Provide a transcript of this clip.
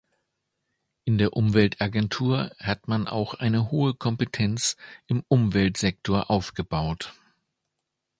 In der Umweltagentur hat man auch eine hohe Kompetenz im Umweltsektor aufgebaut.